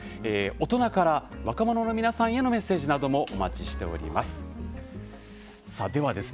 大人から若者の皆さんへのメッセージなどもお待ちしております。